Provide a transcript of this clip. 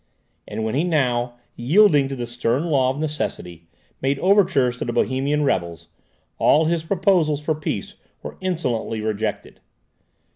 And when he now, yielding to the stern law of necessity, made overtures to the Bohemian rebels, all his proposals for peace were insolently rejected.